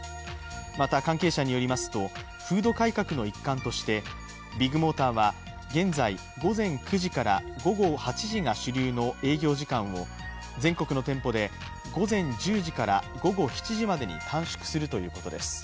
また、関係者によりますと風土改革の一環としてビッグモーターは現在、午前９時から午後８時が主流の営業時間を全国の店舗で午前１０時から午後７時までに短縮するということです。